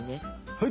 はい！